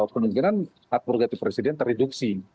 kemungkinan atur ganti presiden terreduksi